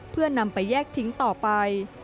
เพื่อนำไปแยกทิ้งต่อไป